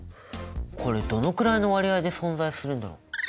これどのくらいの割合で存在するんだろう？